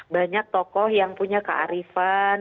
banyak tokoh yang punya kearifan